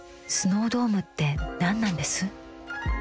スノードームって何なんです？